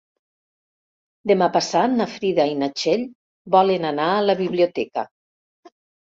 Demà passat na Frida i na Txell volen anar a la biblioteca.